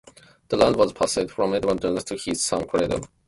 The land was passed from Edmond Jones to his son Clayton, who never married.